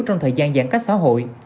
trong thời gian giãn cách xã hội